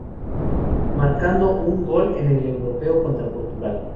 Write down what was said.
Marcando un gol en el Europeo contra Portugal.